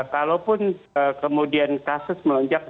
kalaupun kemudian kasus melonjak